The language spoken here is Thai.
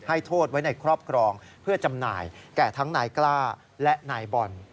โทษไว้ในครอบครองเพื่อจำหน่ายแก่ทั้งนายกล้าและนายบอล